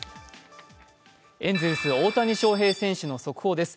エンゼルス・大谷翔平選手の速報です。